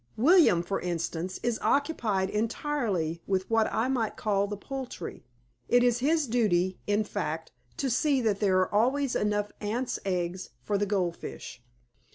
William, for instance, is occupied entirely with what I might call the poultry; it is his duty, in fact, to see that there are always enough ants' eggs for the gold fish.